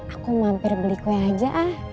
aku mampir beli kue aja ah